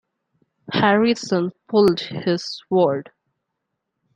Harrison pulled his sword.